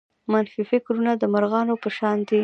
منفي فکرونه د مرغانو په شان دي.